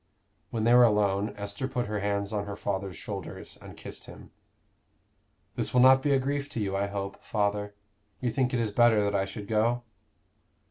When they were alone, Esther put her hands on her father's shoulders and kissed him. "This will not be a grief to you, I hope, father? You think it is better that I should go?"